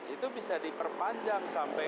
itu bisa diperpanjang sampai